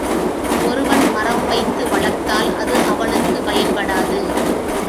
ஒருவன் மரம் வைத்து வளர்த்தால் அது அவனுக்குப் பயன்படாது.